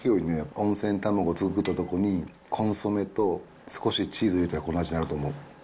温泉卵作ったとこに、コンソメと少しチーズ入れたら、こんな味になると思う。